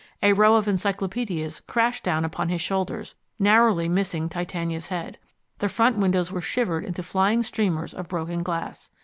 A row of encyclopedias crashed down upon his shoulders, narrowly missing Titania's head. The front windows were shivered into flying streamers of broken glass.